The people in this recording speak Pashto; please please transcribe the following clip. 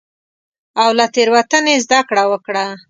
او له تېروتنې زدکړه وکړه.